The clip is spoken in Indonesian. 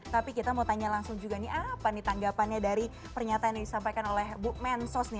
tapi kita mau tanya langsung juga nih apa nih tanggapannya dari pernyataan yang disampaikan oleh bu mensos nih